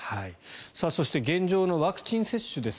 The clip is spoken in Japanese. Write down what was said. そして現状のワクチン接種です。